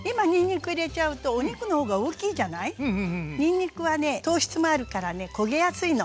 にんにくはね糖質もあるからね焦げやすいの。